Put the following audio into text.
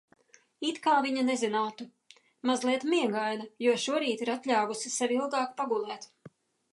It kā viņa nezinātu. Mazliet miegaina, jo šorīt ir atļāvusi sev ilgāk pagulēt.